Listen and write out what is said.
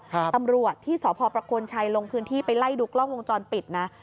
ตำรวจที่สพประโคนชัยลงพื้นที่ไปไล่ดูกล้องวงจรปิดนะ